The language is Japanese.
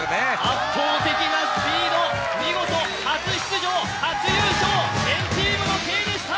圧倒的なスピード、見事、初出場初優勝、＆ＴＥＡＭのＫでした。